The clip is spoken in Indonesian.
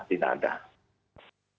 baik jadi memang warga setelah sudah dievakasi